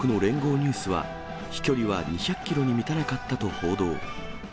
ニュースは飛距離は２００キロに満たなかったと報道。